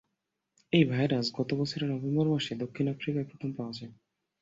এই ভাইরাস গত বছরের নভেম্বর মাসে দক্ষিণ আফ্রিকায় প্রথম পাওয়া যায়।